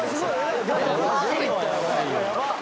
「やばっ！